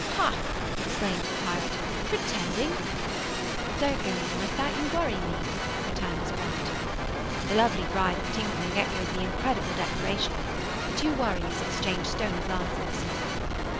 'Hah!' exclaimed the pirate. 'Pretending?' 'Don't go on like that; you worry me,' returned his bride. The lovely bride of Tinkling echoed the incredible declaration. The two warriors exchanged stony glances.